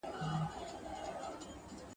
لس او پنځه لس او پنځوس کلونه وکړېدو ..